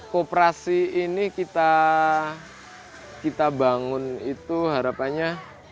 kooperasi ini kita bangun itu harapannya